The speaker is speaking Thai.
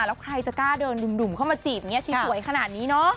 แล้วใครจะกล้าเดินดุ่มเข้ามาจีบอย่างนี้ชีสวยขนาดนี้เนอะ